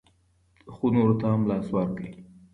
خو نورو ته هم لاس ورکړئ.